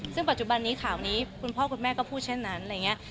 ซึ่งปัจจุบันนี้ข่าวนี้คุณพ่อคุณแม่ก็พูดเช่นนั้นอะไรอย่างนี้